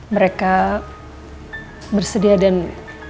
mereka sangat disengat dan akan menyokong aku clase